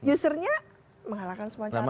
usernya mengalahkan semua cara